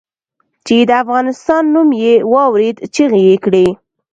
چې د افغانستان نوم یې واورېد چیغې یې کړې.